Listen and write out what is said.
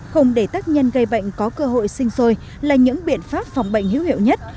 không để tác nhân gây bệnh có cơ hội sinh sôi là những biện pháp phòng bệnh hữu hiệu nhất